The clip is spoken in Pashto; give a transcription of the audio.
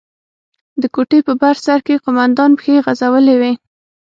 د کوټې په بر سر کښې قومندان پښې غځولې وې.